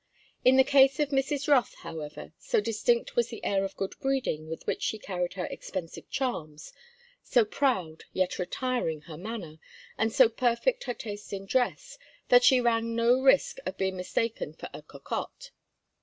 In the case of Mrs. Rothe, however, so distinct was the air of good breeding with which she carried her expensive charms, so proud, yet retiring, her manner, and so perfect her taste in dress, that she ran no risk of being mistaken for a cocotte.